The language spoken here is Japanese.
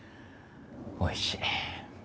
おいしい。